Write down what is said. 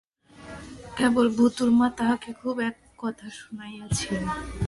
কেবল ভূতাের মা তাহাকে খুব এক কথা শুনাইয়াছিল।